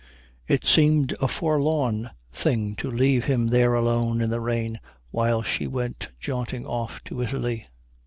It seemed a forlorn thing to leave him there alone in the rain while she went jaunting off to Italy.